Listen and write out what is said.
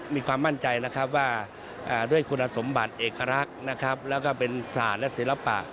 มีความมั่นใจว่าด้วยคุณสมบัติเอกลักษณ์และเป็นศาลและศิลปะ